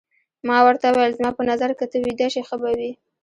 ما ورته وویل: زما په نظر که ته ویده شې ښه به وي.